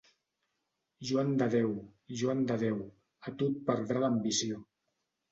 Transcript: -Joan de Déu, Joan de Déu, a tu et perdrà l'ambició!